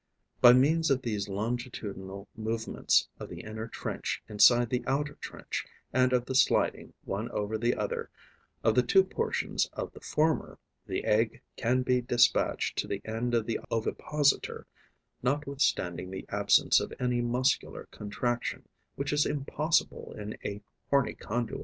By means of these longitudinal movements of the inner trench inside the outer trench and of the sliding, one over the other, of the two portions of the former, the egg can be despatched to the end of the ovipositor notwithstanding the absence of any muscular contraction, which is impossible in a horny conduit.